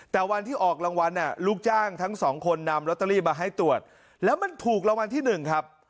แต่วันที่ออกรางวัลลูกจ้างทั้งสองคนนำลอตเตอรี่มาให้ตรวจแล้วมันถูกรางวัลที่หนึ่งครับ